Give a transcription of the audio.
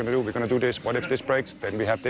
ไม่คิดว่านี่นำทักกว่าไว้